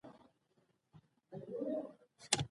څپه صاحب په خپل کار پوه دی.